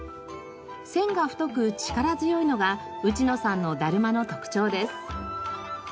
線が太く力強いのが内野さんのだるまの特徴です。